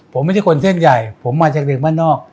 ผมไม่ใช่คนเส้นใหญ่ผมมาจากเด็กบ้านนอก